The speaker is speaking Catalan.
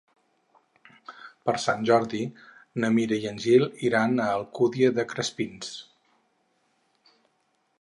Per Sant Jordi na Mira i en Gil iran a l'Alcúdia de Crespins.